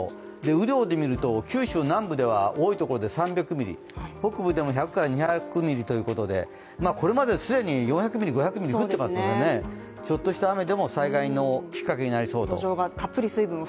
雨量で見ると、九州南部では多いところで３００ミリ、北部でも１００２００ミリということでこれまで既に４００ミリ、５００ミリ降っていますので、ちょっとした雨でも、災害のきっかけになりそう。